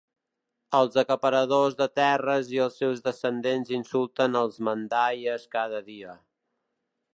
Els acaparadors de terres i els seus descendents insulten els mandaies cada dia.